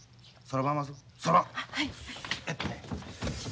はい。